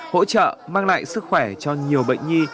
hỗ trợ mang lại sức khỏe cho nhiều bệnh nhi